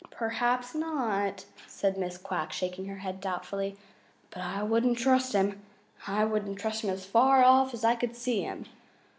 "Perhaps not," said Mrs. Quack, shaking her head doubtfully, "but I wouldn't trust him. I wouldn't trust him as far off as I could see him.